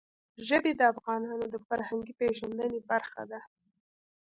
ژبې د افغانانو د فرهنګي پیژندنې برخه ده.